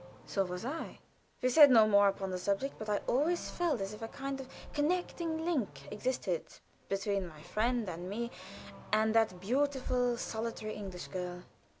So was I. We said no more upon the subject, but I always felt as if a kind of connecting link existed between my friend and me, and that beautiful, solitary English girl.